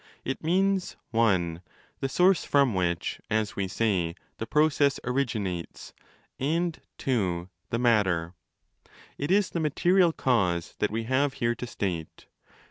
It means 318* (i) the source from which, as we say, the process ' originates', and (ii) the matter. It is the material cause that we have here to state.